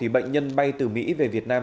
bệnh nhân bay từ mỹ về việt nam